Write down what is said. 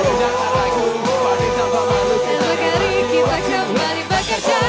esok hari kita kembali bekerja